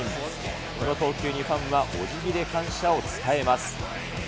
この投球にファンはおじぎで感謝を伝えます。